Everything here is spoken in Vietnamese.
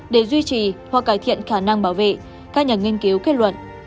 để duy trì hoặc cải thiện khả năng bảo vệ các nhà nghiên cứu kết luận